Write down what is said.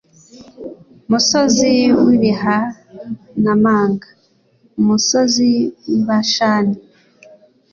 Musozi w’ibihanamanga musozi w’i Bashani